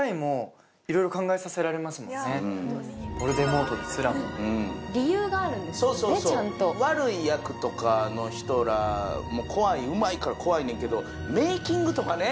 そうヴォルデモートですらも理由があるんですよねちゃんと悪い役とかの人らも怖いうまいから怖いねんけどメイキングとかね